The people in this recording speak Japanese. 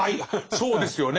そうですよね。